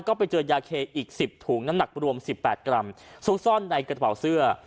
ก็ไปเจอยาเคอีก๑๐ถุงน้ำหนักรวม๑๘กรัมซุกซ่อนในกระเป๋าเสื้อ